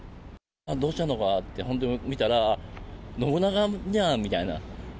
どうしたのかなって見たら、信長じゃん！みたいな。